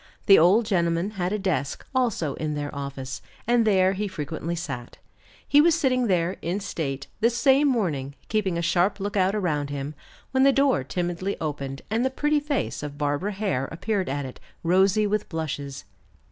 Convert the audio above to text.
The old gentleman had a desk, also, in their office, and there he frequently sat. He was sitting there, in state, this same morning, keeping a sharp lookout around him, when the door timidly opened, and the pretty face of Barbara Hare appeared at it, rosy with blushes.